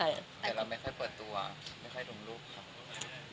แต่เราไม่ค่อยเปิดตัวไม่ค่อยลงรูปครับ